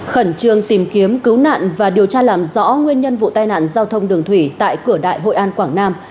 khẩn trương tìm kiếm cứu nạn và điều tra làm rõ nguyên nhân vụ tai nạn giao thông đường thủy tại cửa đại hội an quảng nam